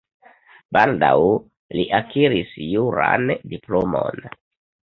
Baldaŭ li akiris juran diplomon.